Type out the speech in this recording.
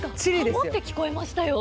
何かハモって聞こえましたよ。